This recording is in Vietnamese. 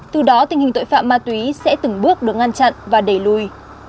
từ đó tình hình tội phạm ma túy sẽ từng bước được ngăn chặn và đẩy lùi